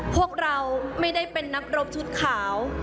พวกเราไม่ได้เป็นนักรบชุดขาว